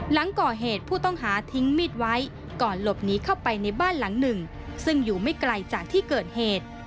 หลังก่อเหตุผู้ต้องหาทิ้งมีดไว้ก่อนหลบหนีเข้าไปในบ้านหลังหนึ่งซึ่งอยู่ไม่ไกลจากที่เกิดเหตุ